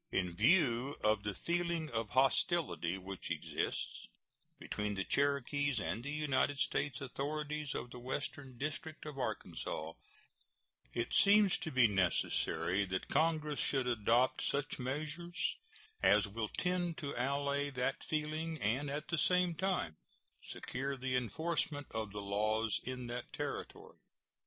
In view of the feeling of hostility which exists between the Cherokees and the United States authorities of the western district of Arkansas, it seems to be necessary that Congress should adopt such measures as will tend to allay that feeling and at the same time secure the enforcement of the laws in that Territory.